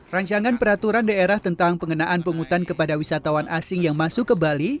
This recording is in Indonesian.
rancangan peraturan daerah tentang pengenaan penghutan kepada wisatawan asing yang masuk ke bali